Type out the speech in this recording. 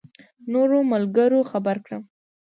نورو ملګرو خبر کړم.